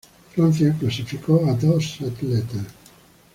Francia clasificó a dos atletas.